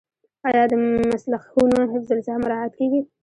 آیا د مسلخونو حفظ الصحه مراعات کیږي؟